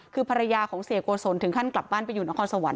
คือภรรยาของเสียโกศลถึงขั้นกลับบ้านไปอยู่นครสวรร